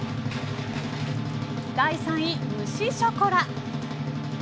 第３位、蒸ショコラ。